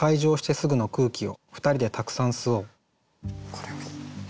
これはいい。